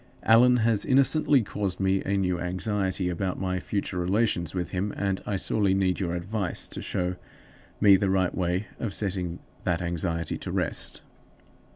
Allan has innocently caused me a new anxiety about my future relations with him, and I sorely need your advice to show me the right way of setting that anxiety at rest.